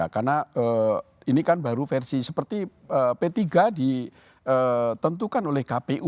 karena ini kan baru versi seperti p tiga ditentukan oleh kpu